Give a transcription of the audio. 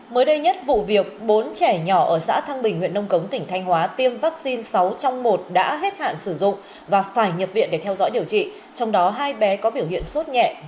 mới đây nhất vụ việc bốn trẻ nhỏ ở xã thăng bình huyện nông cống tỉnh thanh hóa tiêm vaccine sáu trong một đã hết hạn sử dụng và phải nhập viện để theo dõi điều trị trong đó hai bé có biểu hiện sốt nhẹ